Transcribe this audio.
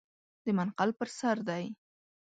د منقل پر سر دی .